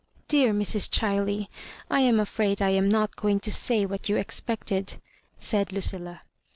"Dear Mrs. Ohiley, I am afr^d I am not going to say what you expected," said Lucilla.